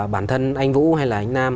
bản thân anh vũ hay là anh nam